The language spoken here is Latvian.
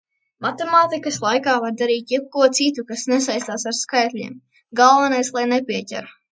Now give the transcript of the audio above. Matemātikas laikā var darīt jebko citu, kas nesaistās ar skaitļiem. Galvenais lai nepieķer!